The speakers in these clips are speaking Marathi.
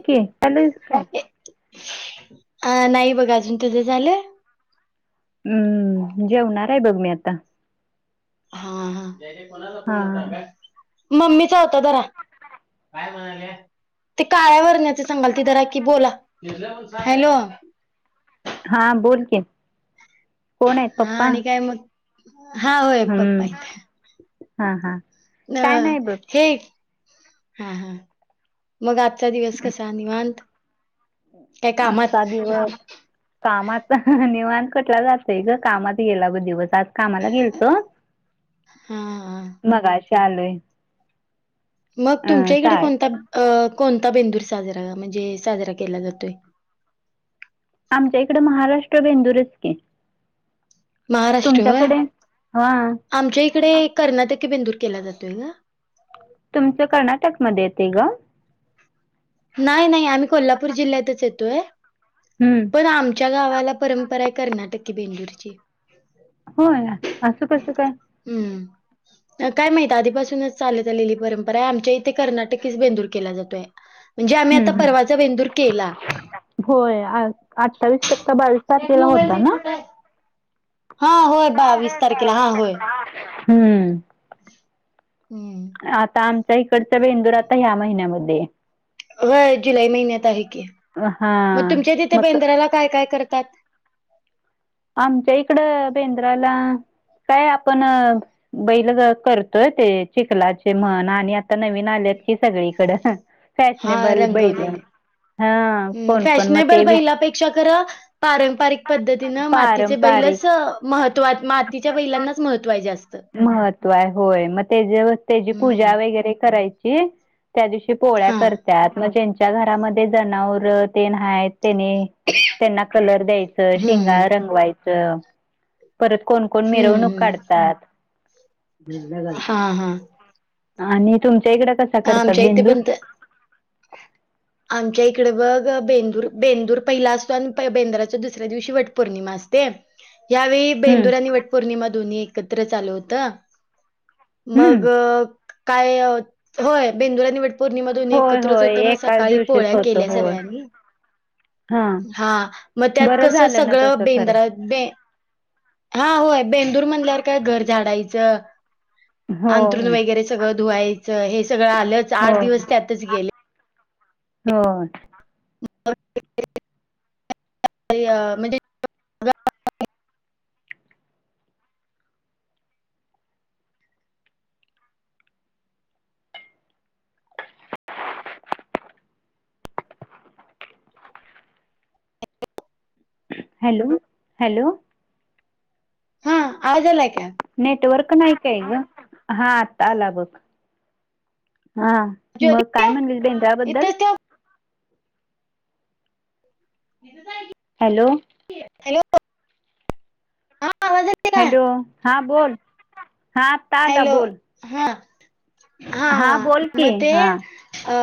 ओके त्यां दिस कां ए, अ नाहीं बघं अजून तुझें झालं हम्मं जेवणार आहे बघं मी आता हा हा मम्मीचा होता बरा ते काळ्यावररण्याचे सांगाल त जरा कि बोला हॅलो हा बोल की कोण आहेत हां पप्पा आणि काय मगं हां होय पप्पा हम्म आहे हा हा काय नाही बघ हे हां हां मगं आजचा दिवस कसां निवांत कायं कामांत कामांत निवांत कसला जातंय गं कामांत गेला बग दिवस तांत कामांला गेलतो हा हा मंगाशि आलोय मगं अ तुमच्या इकडे शाळ कोणतां अ कोणतां बेंदूर साजरा म्हणजे साजरा केला जातोय आमच्या इकडं महाराष्ट्र बेंदूरचं की महाराष्ट्र व्हय तुमच्याकडे हा आमच्या इकडे कर्नाटक बेंदूर केला जातोय गं तुमचं कर्नाटकमंध्ये येते गं नाहीं नाहीं आम्हीं कोल्हापूर जिल्ह्यातच येतोय हम्मं पणं आमच्या गांवाला परंपरा आहे कर्नाटक कु बेदूरची होय असं कसं कायं हम्मं कायं माहित आहे आधीपासूनचं चालतं आलेली परंपरा आहे आमच्या इथे कर्नाटकीचं बेंदूर केलां जातोय म्हणजे आम्हीं आता हम्म पर्वाचा बेदूर केलां होय अठ्ठावीस टकी बावीस एक तारखेला होता नां हां होय बा वीस तारखेला हां होय हम्मं हम्मं आता आमच्या इकडच्या बेंदूर आता ह्यां महिन्यांमध्ये आहे हो जुललै महिन्यांत आहे की मगं हा तुमच्या तिथे मग बेंद्राला कायं कायं करतात आमच्या इकडं बेंद्राला कायं आपणं बैल करतोय ते चिखलाचे म्हण आणि आता नवीन आलेत कि सगळीकडं हा फॅशनेबल बैल हा रंगवलेले कोण कोण मग फॅशनेबल ते विक बैलापेक्षा खरं पारंपरिक पद्धतीनं मातीचे पारंपरिक बैलचं महत्त्व मातीच्या बैलांनाचं महत्त्वाचें असतं महत्व आहे होय मगं ते त्यांची हम्म. पूजा वगैरें करायची त्यां दिवशी पोळ्यां हा. करतात मगं ज्यांच्या घरांमध्ये जनावरं ते नांय त्यांनी त्यांनां कलर द्यायचं शेंगा हम्म. रंगवायचं परतं कोणं कोणं हम्म. मिरवणूंक हम्म. काढतात हा हा. आणि तुमच्या इकडं कसां करतात आमच्या इथे बेंदूर पण त आमच्या इकडे बघं बेंदूर बेंदूर पहिला असतो आणि बेंदुराच्या दुसऱ्याच दिवशी वट पौर्णिमा असतें यांवेळी हम्म बेंदूर आणि वटपौर्णिमा दोन्ही एकत्र आलं होतं हम्म मगं कायं होय बेंदुर नी वटपौर्णिमा दोन्ही होय एकत्रचं होय होतं म सक एकाच काळी दिवशीच पोळ्यां होत केल्या होय सगळ्यांनी हा हां म त्यांत बरं कसं झालं ना सगळं तसं खरं बेंद्रयात बे हा होय बेंदूर म्हणल्यावर काय घर झाडायचं अंथरून होय वगैरे सगळं धुवायचं हे सगळं आलंच आठ होय दिवस त्यातच गेले होय. [inaudible] की अ म्हणजे हॅलो हॅलो हा आवाज यायलाय काय नेटवर्क नाही काय ग हा आता आला बघ हा ज्योती म काय म्हणलीस बेंद्रयांबद्दल इथंच ठेव हेज जाय की हॅलो हां आवाज येत हॅलो हा बोल हा आता आला हॅलो बोल हा हा हा बोल की म ते हा अ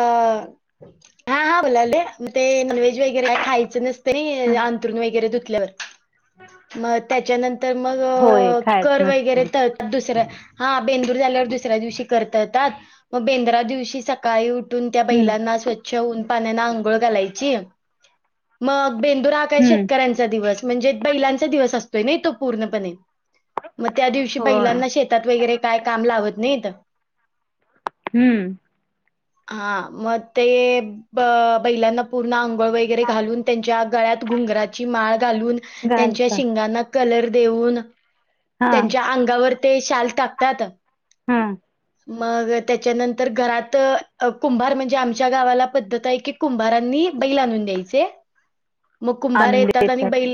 हा हा बोलाले म ते नॉनव्हेज वगैरे काय खायचं नस तरी अंथरून वगैरे धुतल्यावर म त्याच्यानं तर मग होय अ खायच कर नसते वगैरे त दुसऱ्या हा बेंदूर झाल्यावर दुसऱ्या दिवशी कर करतात म बेंद्रा दिवशी सकाळी उठ ठुन त्या हम्म बैलांना स्वच्छ ऊन पाण्यानं आंघोळ घालायची मग बेदुरात काय हम्म शेतकऱ्यांचा दिवस म्हणजे बैलांचा दिवस असतोय नय तो पूर्णपणे म त्या दिवशी होय बैलांना शेतात वगैरे काय काम लावत नाहीत. हम्म हा म ते ब बैलांना पूर्ण अंघोळ वै गैरे घालून त्यांच्या गळ्यात घुंगराची माळ घालून त्यांच्यां घालतात शिंगाणा कलर देऊन हा त्यांच्या अंगावर ते शाल टाकतात. हा मग त्याच्यानंतर घरात कुंभार म्हणजे आमच्या गावाला पद्धत हाय की, कुंभारांनी बैल आणून द्यायचे [unintelligible] मग कुंभार आणून येतात आणि देतात बैल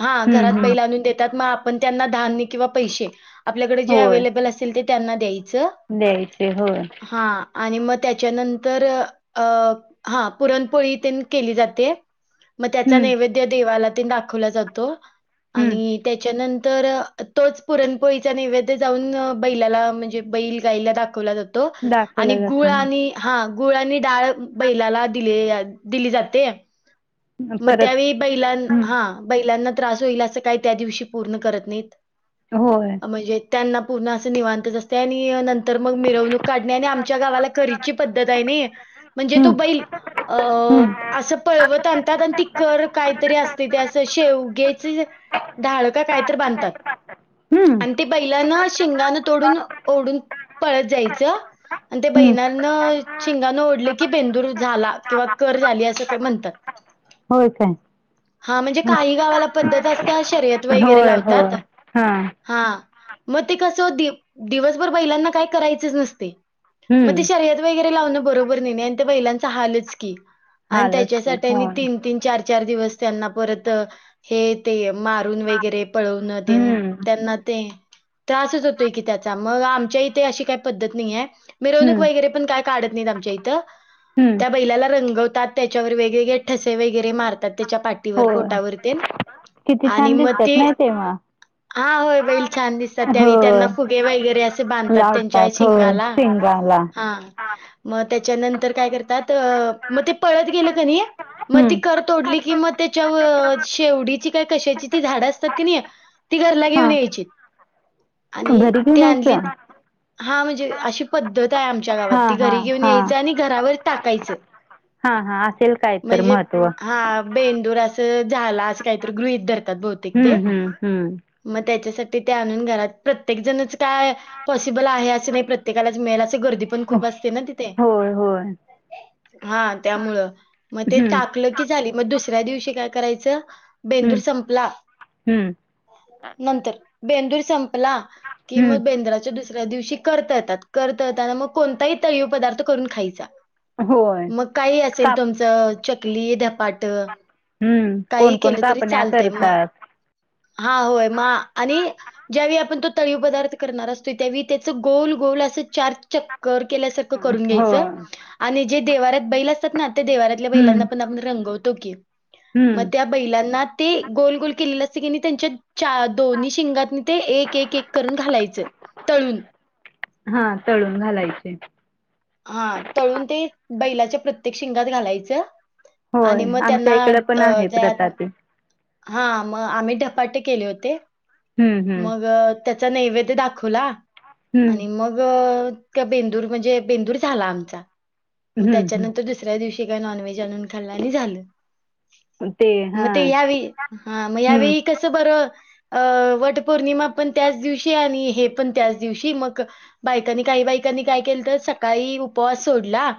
हा हम्म घरात हम्म बैल आणुन देतात म आपण त्यांना धान्य किंवा पैसे आपल्याकडे जे होय अवेलेबल असेल ते त्यांना द्यायचं. द्यायचे होय. हा आणि म त्याच्यानंतर अ हा पुरणपोळी तेन केली जाते. म त्याचा हम्म नैवेद्य देवाला तिनं दाखवला जातो आणि हम्म त्याच्यानंतर तोच पुरणपोळीचा नैवेद जाऊन बैलाला म्हणजे बैल गाईला दाखवला जातो आणि दाखवलं जात गुळ आणि हा गुळ आणि डाळ बैलाला दिले दिली जाते. म परत त्यावेळी बैलां हम्म हा बैलांना त्रास होईल असं काय त्या दिवशी पूर्ण करत नाहीत. होय. म्हणजे त्यांना पूर्ण असं निवांतच असतय आणि नंतर म मिरवणूक काढणे आणि आमच्या गावाला करीची पद्धत आय नई म्हणजे तो हम्म बैल अ हम्म असं पळवत आनतात ती कर कायतरी असते ते असं शेवग्याची ढाळ का कायतरी बांधतात. हम्म आण ते बैलांना शिंगना तोडून ओढून पळत जायचं. आणि ते हम्म बैलांन शिंगानं ओढल की बेंदूर झाला किंवा कर झाली असं ते म्हणत्यात. हो [inaudible] हा म्हणजे काही गावाला पद्धत असते हा शर्यत वगैरे होय लावतात. होय हा हा मग ते कसं दिप दिवसभर बैलांना काय करायचेच नसते. म ते हम्म शर्यत वगैरे लावण बरोबर नाही न्यायंते बैलांच हालच की. आण हालच की त्याच्यासाठी मी होय तीन तीन चार चार दिवस त्यांना परत हे ते मारून वगैरे. पळवण तेन हम्म त्यांना ते त्रासच होतोय की त्याचा मग आमच्या इथे अशी काही पद्धत नाही हे हम्म मिरवणूक वगैरे पण काय काढत नहीत आमच्या इथं. हम्म. त्या बैलाला रंगवतात त्याच्यावर वेगवेगळे ठसे वगैरे मारतात त्याच्या पाठीवर होय पोटावर तेन. किती छान दिसतात नाही तेव्हा. हा होय बैल छान दिसतात त्यावे त्यांना होय फुगे वगैरे असे बांधतात त्यांच्या शिंगा शिंगला. हा. म त्याच्यानंतर काय करतात अ म ते पळत गेलं कनी म ते हम्म कर तोडली कि मग त्याच्या व शेवडीची का कशाची ती झाडं असतात की नाही. ती घरला घेऊन हा यायची आणि घरी ते घेऊन आणलीत. यायचं हा म्हणजे अशी पद्धत आहे आमच्या गावात हा ती हा घरी घेऊन हा यायचं आणि घरावर टाकायचं. हा हा आसेल काय तर म्हणजे महत्व. हां, बेंदूर असं झाला असं काहीतरी गृहित धरतात बहूत हम्म हम्म हम्म. म त्याच्यासाठी ते आणून घरात प्रत्येक जणच काय? पॉसिबल आहे असं नाही प्रत्येकालाच मिळेलचं गर्दी पण खूप असते ना तिथे होय होय त्यामुळे ते म हम्म टाकल. की झाली म दुसऱ्या दिवशी काय करायचं बेंदूर हम्म संपला. हम्म नंतर बेंदूर संपला कि म हम्म बेंद्राच्या दुस दुसऱ्या दिवशी करता येतात करता येतांना म कोणताही तळीव पदार्थ करून खायचा. होय. मग काही असेल काप तुमचं चकली धपाट हम्म काही कोणकोण कापण्या करतात. हा व्हय मा आणि ज्यावेळी आपण तो तळीव पदार्थ करणार असतो त्यावे त्याच गोल गोल असं चार च कर केल्या सारख करून घ्यायच होय आणि जे देवाऱ्यात बैल असतात ना ते देवाऱ्यात आपल्या हम्म नैलांना पण आपण रंगवतो की म हम्म त्या बैलांना ते गोल गोल केलेलं असत की नी त्यांच्या चा दोन्ही शिंगातनी ते एक एक एक करून घालायचं. तळुण. हा तळून घालायचे. हा तळून ते बैलाच्या प्रत्येक शिंगात घालायचं. आणि होय मग आमच्या त्यांना इकडे पण अ आहे प्रथा जयातन ती हां मंग आम्हीं भपांटे केले होते हम्म हम्म मंग त्यांचा नैवेद्य दाखवला आणि हम्म मंग बेंदूर म्हणजे बेंदूर झालां आमचा मंग हम्म त्यांच्यानंतर हम्म दुसरा तुह्या दिवशी कायं नॉनव्हेज आंणून खाल्लं आणि झालं ते हा मंग ते यां हां मंग हम्म यावेळी कसं बरं वटं पौर्णिमा पणं त्यांचं दिवशी आणि हे पणं त्यांचं दिवशी मंग बायकांनी कांहीं बाईकांनी कायं केलं तरं सकाळीं उपवांस सोडलां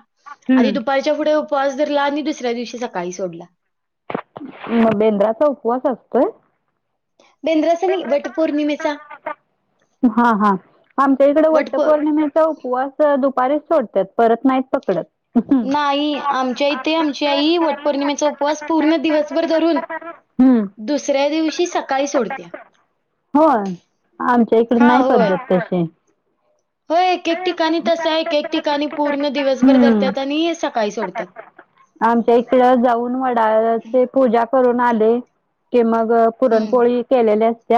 आणि हम्म दुपांरच्या पुढे उपवांस धरंला आणि दुसऱ्या दिवशी सकाळीं सोडलां मंग बेंद्राचा उपवांस असतोय बेंद्रासनी वटं पौर्णिमेचा हां हां आमच्या ईकडे वटपौर वट्टपौर्णिमे चा उपवांस दुपांरी सोडतं परंत नाहीं पकडंत नाहीं आमच्या इथे आमची आई वटपौर्णिमेचा उपवास पूर्ण दिवसंभर धरूंन हं दुसऱ्यां दिवशी सकाळीं सोडतेय. होयं आमच्या ईकडे नाहीं पद्धतं तशी होयं एक एक ठिकांणी तसं आहे. एक एक ठिकांणी पूर्ण दिवसंभर हम्म धरतांत आणि सकाळीं सोडतांत. आमच्या ईकडे जाऊंन वडांचे पूजा करूंन आले कि मंग हं. पुरणपोळी केलेली असती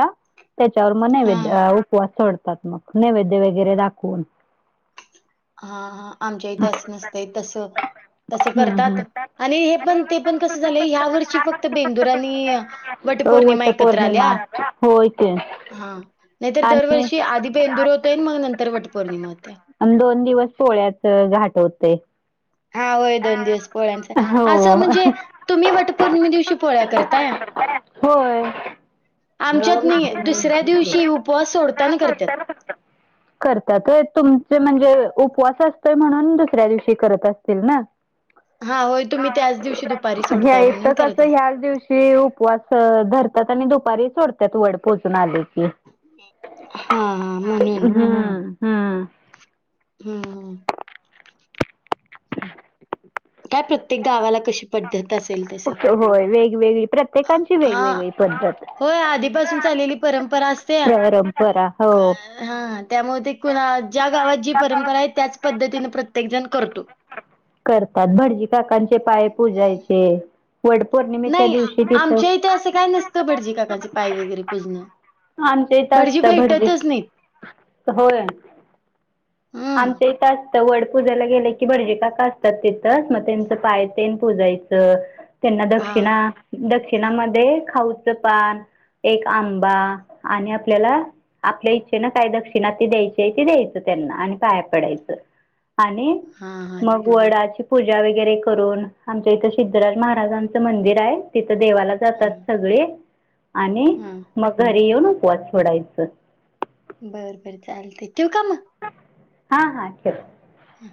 त्यांच्यावर मंग हां, नैवेद्य हां, अं किंवा सोडतांत मंग नैवेद्य वगैरें दाखवूंन हां हां आमच्या इथे असं नसतंय तसं तसं हम्म करतांत हम्म आणि हे पणं ते पणं कसं झालं. ह्या वर्षी फक्तं बेंदूरनी आणि वटपौर्णिमा वट एकत्रं आल्यां पौर्णिमा होय की हां नाहींतर आणि दरवर्षी आधी बेंदूर होतंय मंग नंतर वटं पौर्णिमा होते दोन दिवसं पोळ्याच्या घांट होते हां होयं दोन दिवसं पोळ्यांचं हो असं म्हणजे तुम्हीं वटपौर्णिमे दिवशी पोळ्यां करतांत आमच्यात नाही दुसऱ्या दिवशी उपवास सोडताना करत्यात. होयं. हं करतांत होयं तुमचे म्हणजे उपवांस असतोय म्हणूंन दुसऱ्यां दिवशी करतं असतील नां हां, होय तुम्ही त्याच इथं दिवशी दुपारी कसं सोडताय म्हणून यायचं करत कसं अस ह्यांचं दिवशी उपवांस धरतांत आणि दुपारी सोडतांत वंड पोजून आले की हां हां, हां, म्हणून. हं हं हम्मं ह [unintelligible] [unintelligible] कायं प्रत्येक गावांला कशी पध्दत असेलं तसं होय वेगवेगळी प्रत्येकांची हां वेगवेगळी पद्धत होयं आधीपासून चाललेली परंपरा असते. परंपरा हो हां त्यामुळें ते कुणां ज्यां गावांत जी परंपरा आहे त्याचं पद्धतीने प्रत्येक जणं करतो. करतांत. भटजी काकांचे पाय पूजायचे वंड पौर्णिमा नाहीं आमच्या इथे असं कायं नसतं भटजी काकाचे पाय वगैरे पुजणं आमच्या इथं असतं भटजी भेटतच नाहीत. होयं हं आमच्या इथं असतं वंड पूजाला गेलं की भटजी काका असतांत तिथंच मंग त्यांचं पाय तेन पूजायचं. त्यांना हां, दक्षिणा दक्षिणांमध्यें खाऊचं पान एक आंबा आणि आपल्यांला आपल्या इच्छेन काय दक्षिणा ती द्यायचीये ती द्यायच त्यांना आणि पाया पडायचं आणि हा हा मग वडाची पूजा वगैरे करून आमच्या इथे सिद्धराज महाराजांचं मंदिर आय तिथं देवाला जातात हं, सगळे आणि हं. मग घरी येऊन उपवास सोडायचं. बरं बरं चालतय ठेवु का म हा हा ठेव. हूं